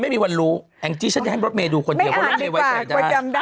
ไม่ได้คนโนวกับที่หนูรู้อยู่แล้วหรือเปล่า